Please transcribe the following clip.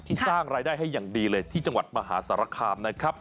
สร้างรายได้ให้อย่างดีเลยที่จังหวัดมหาสารคามนะครับ